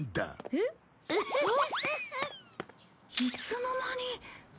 いつの間に。